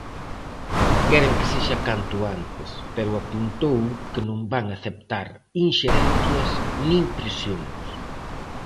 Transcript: Queren que sexa canto antes, pero apuntou que non van aceptar inxerencias nin presións.